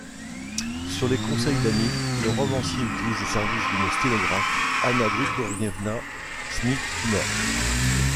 Sur les conseils d'amis, le romancier utilise les services d'une sténographe, Anna Grigorievna Snitkina.